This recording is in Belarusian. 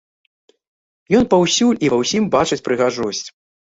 Ён паўсюль і ва ўсім бачыць прыгажосць.